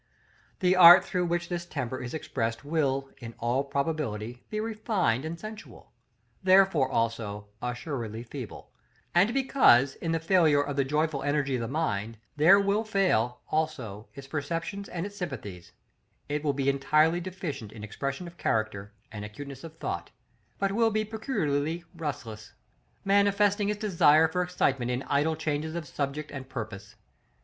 The art through which this temper is expressed will, in all probability, be refined and sensual, therefore, also, assuredly feeble; and because, in the failure of the joyful energy of the mind, there will fail, also, its perceptions and its sympathies, it will be entirely deficient in expression of character, and acuteness of thought, but will be peculiarly restless, manifesting its desire for excitement in idle changes of subject and purpose.